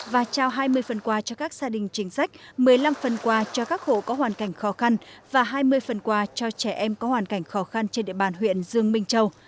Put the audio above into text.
và trao hai mươi phần quà cho các gia đình chính sách một mươi năm phần quà cho các hộ có hoàn cảnh khó khăn và hai mươi phần quà cho trẻ em có hoàn cảnh khó khăn trên địa bàn huyện dương minh châu